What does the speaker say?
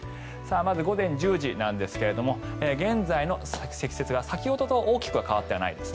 まず、午前１０時なんですが現在の積雪は先ほどと大きく変わってはないですね。